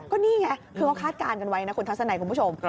ก็นี่ไงคือเขาคาดการณ์กันไว้นะคุณทัศนัยคุณผู้ชม